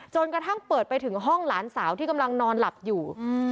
กระทั่งเปิดไปถึงห้องหลานสาวที่กำลังนอนหลับอยู่